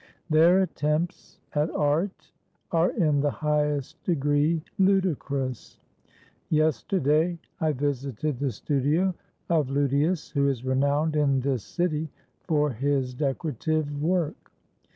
Their attempts at art are in the highest degree ludicrous. Yesterday I visited the studio of Ludius, who is renowned in this city for his decorative work.